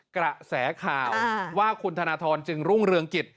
กระแสข่าวว่าคุณธนทรจึงรุ่งเรืองกิจ